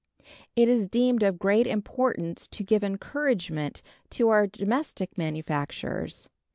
It is deemed of great importance to give encouragement to our domestic manufacturers.